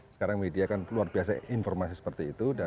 sekarang media kan luar biasa informasi seperti itu